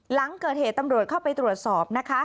หลังเกิดเหตุตำรวจเข้าไปตรวจสอบนะคะ